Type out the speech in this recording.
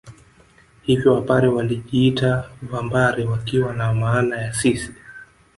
Hivyo Wapare walijiita Vambare wakiwa na maana ya sisi